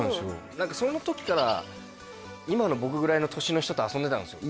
何かその時から今の僕ぐらいの年の人と遊んでたんですよ